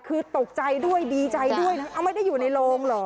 คือตกใจด้วยดีใจด้วยนะเอาไม่ได้อยู่ในโรงเหรอ